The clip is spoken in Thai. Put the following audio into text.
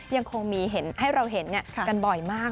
ยังคงมีให้เราเห็นกันบ่อยมาก